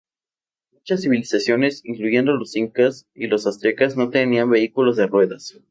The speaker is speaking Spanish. Muchas civilizaciones, incluyendo los incas y los aztecas, no tenían vehículos de ruedas.